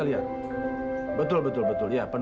ini yang bagian yang kita inginkan